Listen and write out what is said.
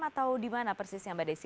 atau di mana persisnya mbak desi